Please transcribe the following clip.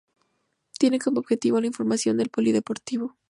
Tiene como objetivo la información del polideportivo.